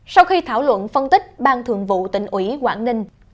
sau khi thảo luận phân tích ban thường vụ tỉnh ủy quảng ninh